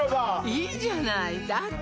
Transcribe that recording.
いいじゃないだって